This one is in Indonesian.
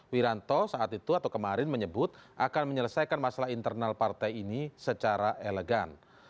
wiranto saat itu atau kemarin menyebut akan menyelesaikan masalah internal partai ini secara elegan